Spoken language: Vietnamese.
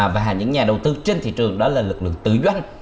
và những nhà đầu tư trên thị trường đó là lực lượng tự doanh